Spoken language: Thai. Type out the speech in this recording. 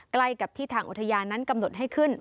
ใกล้กับที่ทางอุทยานนั้นกำหนดให้ขึ้น